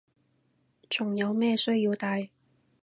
仲有咩需要戴